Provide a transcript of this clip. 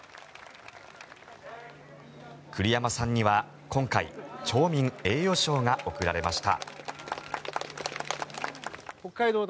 栗山さんには今回町民栄誉賞が贈られました。